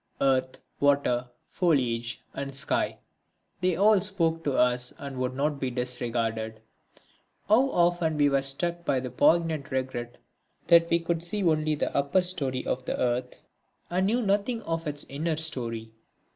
Earth, water, foliage and sky, they all spoke to us and would not be disregarded. How often were we struck by the poignant regret that we could only see the upper storey of the earth and knew nothing of its inner storey.